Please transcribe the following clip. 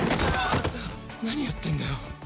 何やってんだよ。